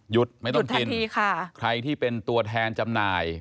ไม่ต้องกินใครที่เป็นตัวแทนจำหน่าย